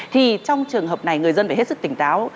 thì trong trường hợp này người dân phải hết sức tỉnh táo